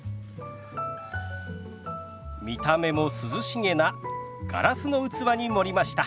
見た目も涼しげなガラスの器に盛りました。